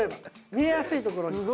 見えやすいところに。